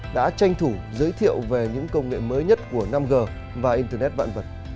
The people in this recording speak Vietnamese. đã tranh thủ giới thiệu về những công nghệ mới nhất của năm g và internet vạn vật